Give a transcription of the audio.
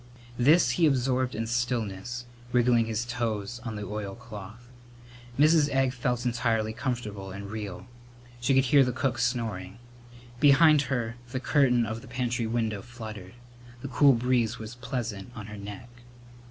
This he absorbed in stillness, wriggling his toes on the oilcloth. Mrs. Egg felt entirely comfortable and real. She could hear the cook snoring. Behind her the curtain of the pantry window fluttered. The cool breeze was pleasant on her neck.